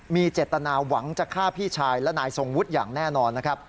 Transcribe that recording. มีเจตนาหวังจะฆ่าพี่ชายและนายทรงวุฒิอย่างแน่นอนนะครับ